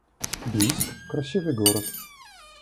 Бийск — красивый город